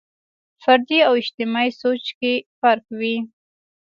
فردي او اجتماعي سوچ کې فرق وي.